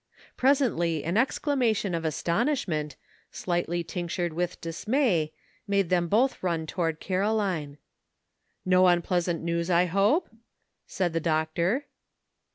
Presently an exclamation of as tonishment, slightly tinctured with dismay, made them both turn toward Caroline. '*No unpleasant news, I hope?" said the doctor.